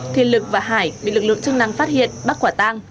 thì lực và hải bị lực lượng chức năng phát hiện bắt quả tang